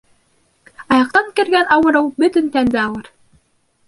Аяҡтан кергән ауырыу бөтөн тәнде алыр.